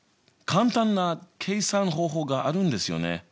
簡単な計算方法があるんですよね？